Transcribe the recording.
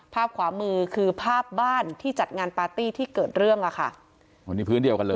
ภาพขวามือคือภาพบ้านที่จัดงานปาร์ตี้ที่เกิดเรื่องอ่ะค่ะอ๋อนี่พื้นเดียวกันเลย